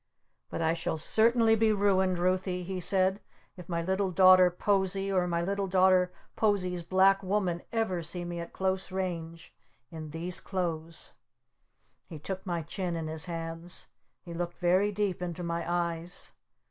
"But I shall certainly be ruined, Ruthie," he said, "if my little daughter Posie or my little daughter Posie's Black Woman ever see me at close range in these clothes!" He took my chin in his hands. He looked very deep into my eyes.